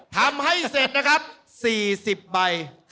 ทำให้เสร็จนะครับ๔๐ใบ